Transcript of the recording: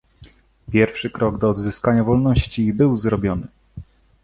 "Pierwszy krok do odzyskania wolności był zrobiony."